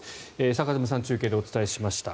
坂詰さん中継でお伝えしました。